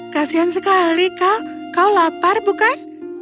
kasian sekali kak kau lapar bukan